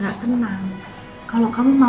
kalau kamu mau keisha teman kamu juga harus tetap